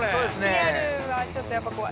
リアルはちょっとやっぱ怖い。